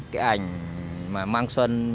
cái ảnh mang xuân